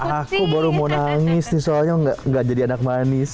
aku baru mau nangis nih soalnya gak jadi anak manis